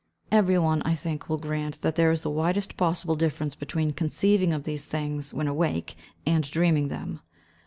Every one, I think, will grant that there is the widest possible difference between conceiving of these things when awake, and dreaming them.